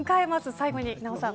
最後に奈緒さん